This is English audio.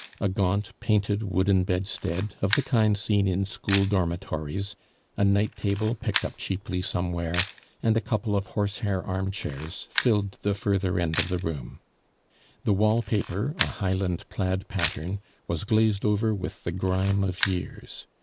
A gaunt, painted wooden bedstead, of the kind seen in school dormitories, a night table, picked up cheaply somewhere, and a couple of horsehair armchairs, filled the further end of the room. The wall paper, a Highland plaid pattern, was glazed over with the grime of years.